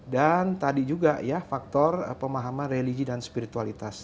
dan tadi juga ya faktor pemahaman religi dan spiritualitas